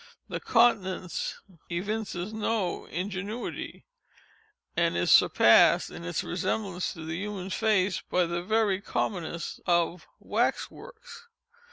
The countenance evinces no ingenuity, and is surpassed, in its resemblance to the human face, by the very commonest of wax works.